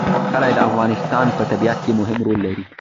کلي د افغانستان په طبیعت کې مهم رول لري.